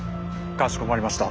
かしこまりました。